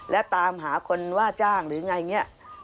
และตามหาคนว่าจ้างหรืออย่างไรอย่างนี้